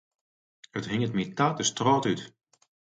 It hinget my ta de strôt út.